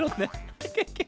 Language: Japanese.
ケケケ。